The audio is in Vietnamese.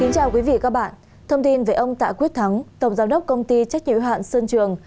chào các bạn thông tin về ông tạ quyết thắng tổng giám đốc công ty trách nhiệm hạn sơn trường